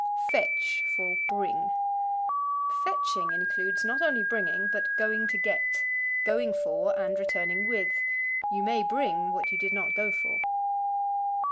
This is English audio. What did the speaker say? Fetch for Bring. Fetching includes, not only bringing, but going to get going for and returning with. You may bring what you did not go for.